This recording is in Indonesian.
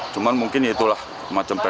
cuman mungkin itulah macam